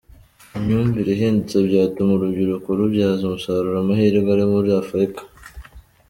Imyumvire ihindutse byatuma urubyiruko rubyaza umusaruro amahirwe ari muri Afurika.